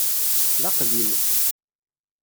D aqdim.